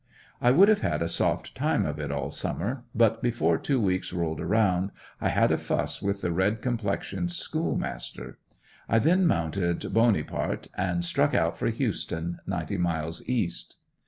I would have had a soft time of it all summer, but before two weeks rolled around I had a fuss with the red complexioned school master. I then mounted "Boney part" and struck out for Houston, ninety miles east.